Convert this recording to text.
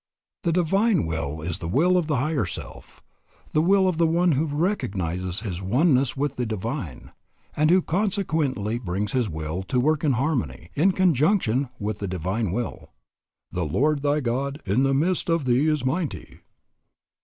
The divine will is the will of the higher self, the will of the one who recognizes his oneness with the Divine, and who consequently brings his will to work in harmony, in conjunction with the divine will. "The Lord thy God in the midst of thee is mighty."